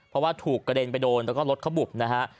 เพราะว่าถูกกระเด็นไปโดนแล้วก็รถเขาบุบนะฮะ